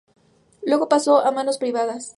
Luego pasó a manos privadas.